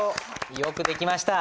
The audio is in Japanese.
よくできました。